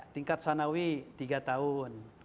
tingkat sanawi tiga tahun